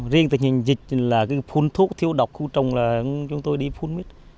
riêng tình hình dịch là phun thuốc thiêu độc khu trùng là chúng tôi đi phun mít